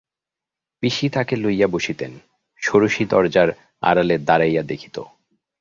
পিসি তাকে লইয়া বসিতেন, ষোড়শী দরজার আড়ালে দাঁড়াইয়া দেখিত।